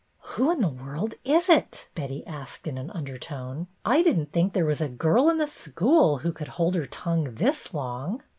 "Who in the world is it.?" Betty asked in an undertone. " I did n't think there was a girl in the school who could hold her tongue this long."